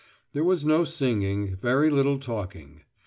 There was no singing; very little talking.